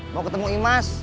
mau ketemu imas